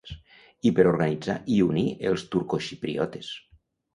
I per organitzar i unir els turcoxipriotes.